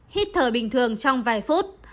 hít thở bình thường trong vài phút